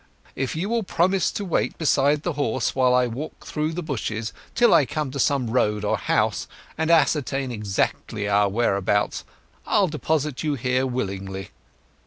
Now, if you will promise to wait beside the horse while I walk through the bushes till I come to some road or house, and ascertain exactly our whereabouts, I'll deposit you here willingly.